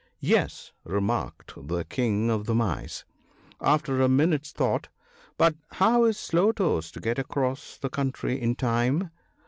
" Yes !" remarked the King of the Mice, after a minute's thought; "but how is Slow toes to get across the country in time